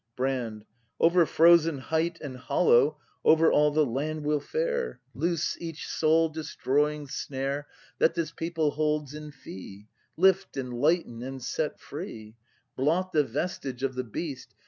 Brand. Over frozen height and hollow. Over all the land we'll fare, 264 BRAND [act v Loose each soul destroying snare That this people holds in fee, Lift and lighten, and set free. Blot the vestige of the beast.